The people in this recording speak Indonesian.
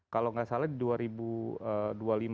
kalau nggak salah di dua ribu dua puluh lima